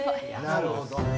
なるほど。